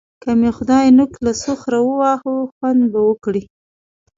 که مې خدای نوک له سخره وواهه؛ خوند به وکړي.